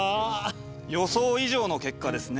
予想以上の結果ですね。